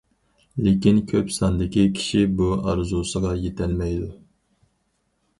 لېكىن كۆپ ساندىكى كىشى بۇ ئارزۇسىغا يېتەلمەيدۇ.